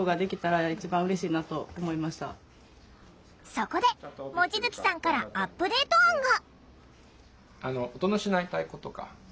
そこで望月さんからアップデート案が。